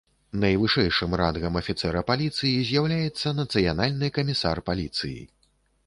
Найвышэйшым рангам афіцэра паліцыі з'яўляецца нацыянальны камісар паліцыі.